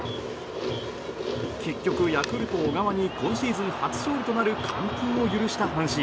結局、ヤクルト、小川に今シーズン初となる完封を許した阪神。